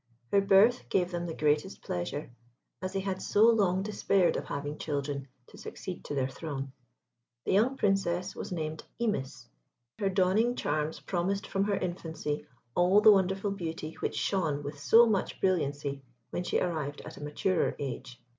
Her birth gave them the greatest pleasure, as they had so long despaired of having children to succeed to their throne. The young Princess was named Imis; her dawning charms promised from her infancy all the wonderful beauty which shone with so much brilliancy when she arrived at a maturer age.